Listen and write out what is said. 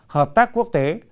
hợp tác quốc tế